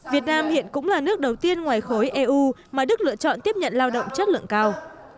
việt nam hiện cũng là nước đầu tiên ngoài khối eu mà đức lựa chọn tiếp nhận lao động chất lượng cao